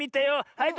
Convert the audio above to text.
はい！